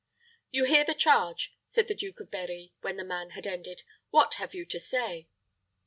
"You hear the charge," said the Duke of Berri, when the man had ended; "what have you to say?"